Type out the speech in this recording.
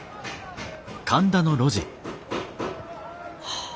はあ。